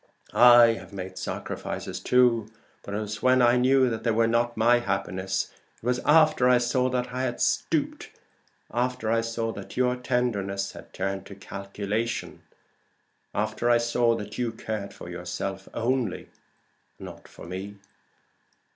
I have made sacrifices too, but it was when I knew that they were not my happiness. It was after I saw that I had stooped after I saw that your tenderness had turned into calculation after I saw that you cared for yourself only, and not for me.